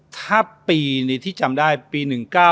ถ้าปีที่จำได้ปี๑๙๙๔